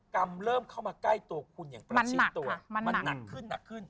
กรรมเริ่มเข้ามาใกล้ตัวคุณอย่างประชิดตัวมันหนักขึ้นหนักขึ้น